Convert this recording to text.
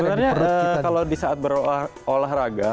sebenarnya kalau di saat berolahraga